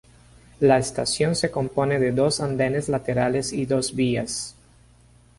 La estación se compone de dos andenes laterales y dos vías.